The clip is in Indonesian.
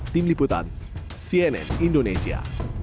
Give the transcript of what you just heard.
tim liputan cnn indonesia